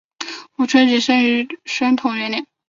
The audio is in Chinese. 吴春晴生于宣统元年。